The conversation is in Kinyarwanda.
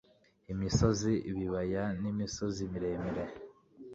Imisozi ibibaya n'imisozi miremire